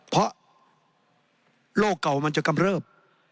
เพราะโรคเก่ามันจะกำเริบ